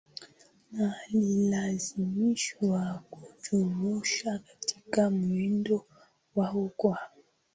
na alilazimishwa kujumuisha katika muundo wao kwa